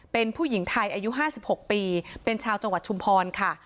เป็นผู้หญิงไทยอายุ๕๖ปีเป็นชาวจังหวัดชุมพรค่ะ